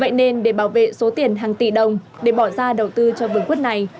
vậy nên để bảo vệ số tiền hàng tỷ đồng để bỏ ra đầu tư cho vườn quất này